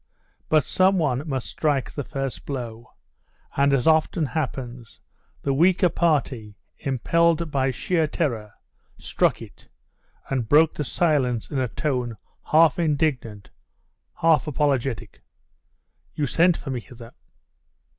But some one must strike the first blow: and, as often happens, the weaker party, impelled by sheer fear, struck it, and broke the silence in a tone half indignant, half apologetic 'You sent for me hither!